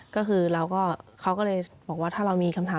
ก็คือเราก็เขาก็เลยบอกว่าถ้าเรามีคำถาม